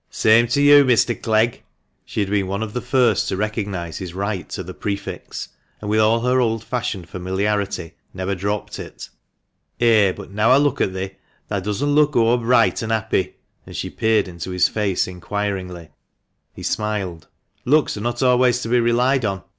"Same to you, Mr. Clegg." She had been one of the first to recognise his right to the prefix, and, with all her old fashioned familiarity, never dropped it. "Eh, but now I look at thee, thah doesn't look ower bright an* happy ;" and she peered into his face inquiringly. He smiled. " Looks are not always to be relied on.